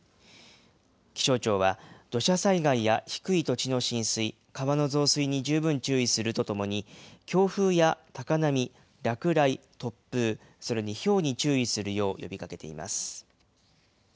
気象庁は、土砂災害や低い土地の浸水、川の増水に十分注意するとともに、強風や高波、落雷、突風、それにひょうに注意するよう呼びかけています。